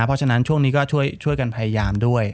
เพราะฉะนั้นช่วงนี้ก็ช่วยกันพยายามด้วย